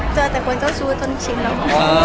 เจอแต่คนเจ้าชู้จนชินแล้วก็